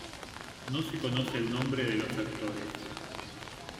No se conoce el nombre de los actores.